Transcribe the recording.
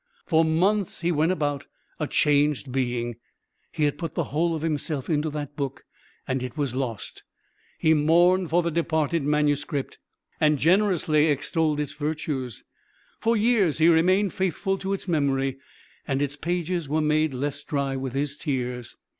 For months he went about, a changed being. He had put the whole of himself into that book, and it was lost. He mourned for the departed manuscript, and generously extolled its virtues. For years he remained faithful to its memory; and its pages were made less dry with his tears.